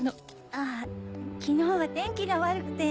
あ昨日は天気が悪くて。